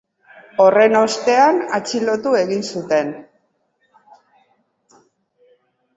Horren ostean atxilotu egin zuten.